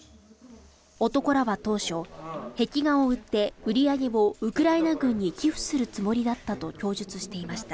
男らは当初「壁画を売って売上げをウクライナ軍に寄付するつもりだった」と供述していました。